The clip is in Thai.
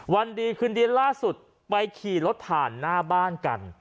วันดีคืนดีล่าสุดไปขี่รถผ่านหน้าบ้านกัน